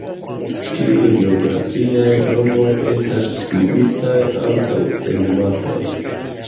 Tiuj geografiaj nomoj estas skribitaj ankaŭ en mapoj.